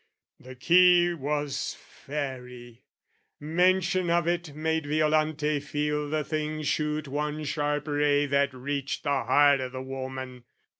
The key was fairy; mention of it made Violante feel the thing shoot one sharp ray That reached the heart o' the woman.